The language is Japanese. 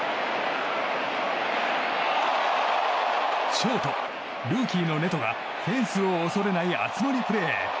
ショート、ルーキーのネトがフェンスを恐れない熱盛プレー。